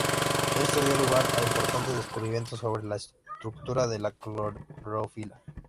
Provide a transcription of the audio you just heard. Esto dio lugar a importantes descubrimientos sobre la estructura de la clorofila.